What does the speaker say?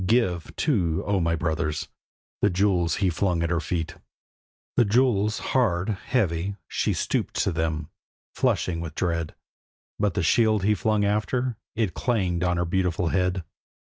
Give, too, O my brothers!' The jewels he flung at her feet, The jewels hard, heavy; she stooped to them, flushing with dread, But the shield he flung after: it clanged on her beautiful head.